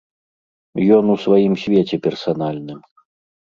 Ён у сваім свеце персанальным.